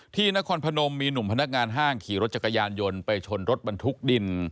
นครพนมมีหนุ่มพนักงานห้างขี่รถจักรยานยนต์ไปชนรถบรรทุกดิน